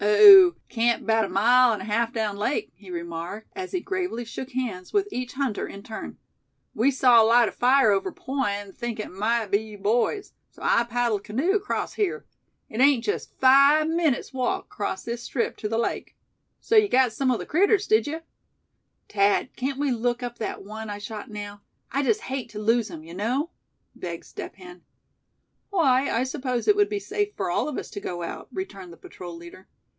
"Oh! camp about mile and a half down lake," he remarked, as he gravely shook hands with each hunter in turn. "We saw light of fire over point, and think it might be you boys; so I paddled canoe across here. It ain't jest five minits walk 'cross this strip ter the lake. So ye got sum o' the critters, did ye?" "Thad, can't we look up that one I shot now; I'd just hate to lose him, you know?" begged Step Hen. "Why, I suppose it would be safe for all of us to go out," returned the patrol leader.